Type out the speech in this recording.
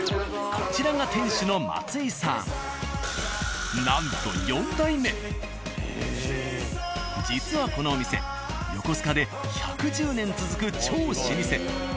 こちらが店主のなんと実はこのお店横須賀で１１０年続く超老舗。